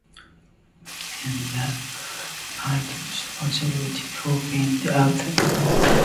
And that I took responsibility for being the author?